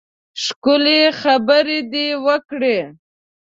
ښکلې خبرې دې وکړې.